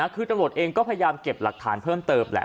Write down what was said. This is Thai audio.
คือตำรวจเองก็พยายามเก็บหลักฐานเพิ่มเติมแหละ